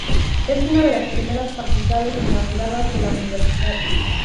Es una de las primeras facultades inauguradas de la universidad.